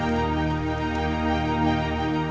sebelum aku memberitahukannya kepadamu